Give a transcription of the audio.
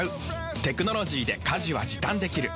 テクノロジーで家事は時短できる。